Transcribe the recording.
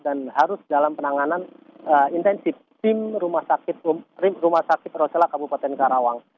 dan harus dalam penanganan intensif tim rumah sakit rosela kabupaten karawang